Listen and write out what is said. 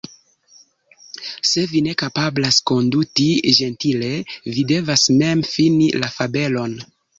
Se vi ne kapablas konduti ĝentile, vi devas mem fini la fabelon.